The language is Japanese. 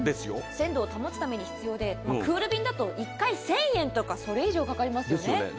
鮮度を保つために必要で、クール便だと１回１０００円とか、それ以上かかりますよね。